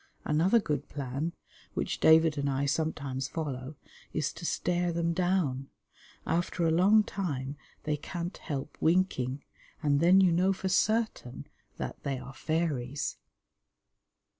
Another good plan, which David and I sometimes follow, is to stare them down. After a long time they can't help winking, and then you know for certain that they are fairies.